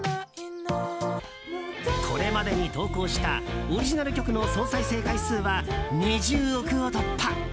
これまでに投稿したオリジナル曲の総再生回数は２０億を突破。